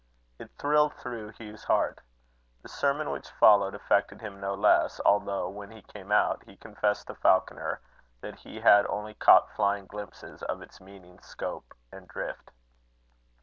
It thrilled through Hugh's heart. The sermon which followed affected him no less, although, when he came out, he confessed to Falconer that he had only caught flying glimpses of its meaning, scope, and drift.